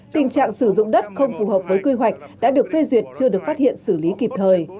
tình trạng sử dụng đất không phù hợp với quy hoạch đã được phê duyệt chưa được phát hiện xử lý kịp thời